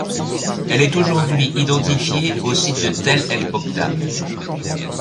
Elle est aujourd'hui identifiée au site de Tell el-Moqdam.